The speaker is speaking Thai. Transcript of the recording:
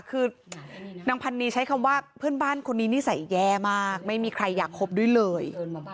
คือนางพันนีใช้คำว่าเพื่อนบ้านคนนี้นิสัยแย่มากไม่มีใครอยากคบด้วยเลย